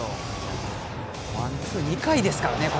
ワンツー２回ですからね。